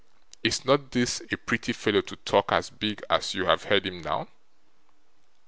Is not this a pretty fellow to talk as big as you have heard him now?